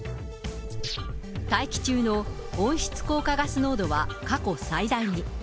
大気中の温室効果ガス濃度は過去最大に。